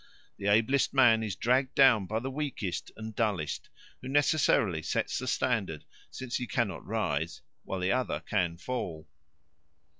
The ablest man is dragged down by the weakest and dullest, who necessarily sets the standard, since he cannot rise, while the other can fall.